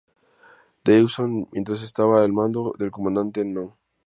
Dawson mientras estaba al mando del Comando No.